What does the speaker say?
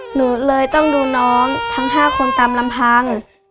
หนูเลยต้องดูน้องทั้ง๕คนตามลำพัง